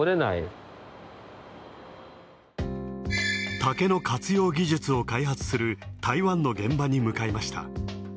竹の活用技術を開発する、台湾の現場に向かいました。